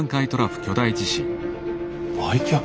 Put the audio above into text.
売却？